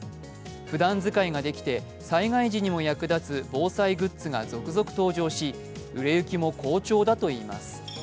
ふだん使いができて災害時にも役立つ防災グッズが続々登場し、売れ行きも好調だといいます。